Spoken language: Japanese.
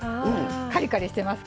カリカリしてますか？